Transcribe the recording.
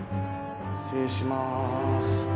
失礼します。